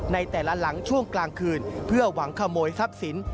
ในแต่ละหลังช่วงกลางคืนเพื่อหวังขโมยทรัพย์สิน